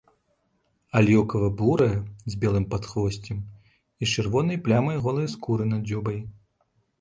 Аліўкава-бурая з белым падхвосцем і з чырвонай плямай голай скуры над дзюбай.